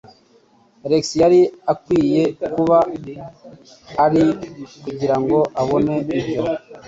Alex yari akwiye kuba ahari kugirango abone ibyo.